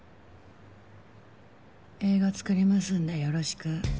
映画作りますんでよろしく。